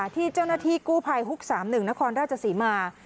ที่เจ้าหน้าที่กู้ภัยฮุก๓๑นครราชศรีมา